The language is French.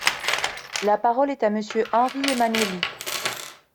La parole est à Monsieur Henri Emmanuelli.